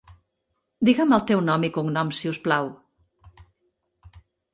Diga'm el teu nom i cognoms, si us plau.